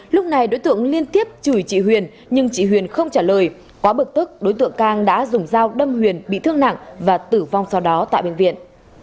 lúc này đối tượng liên tiếp chửi chị huyền nhưng chị huyền không trả lời quá bực tức đối tượng cang đã dùng dao đâm huyền bị thương nặng và tử vong sau đó tại bệnh viện